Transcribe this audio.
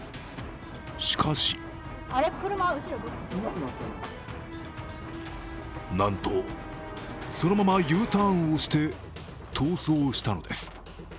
しかしなんと、そのままＵターンをして逃走したのです。